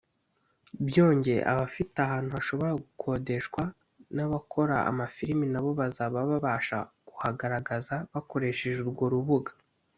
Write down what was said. Byongeye abafite ahantu hashobora gukodeshwa n’abakora amafilimi nabo bazaba babasha kuhagaragaza bakoresheje urwo rubuga